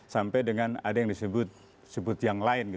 sampai dengan ada yang disebut yang lain